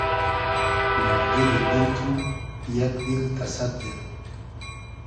نادیری دیل تو یئگ دیل تۂ سئد دیل